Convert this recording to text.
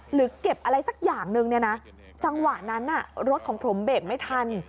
หรือเก็บอะไรสักอย่างนึงเนี่ยนะจังหวะนั้นรถของผมเบรกไม่ทัน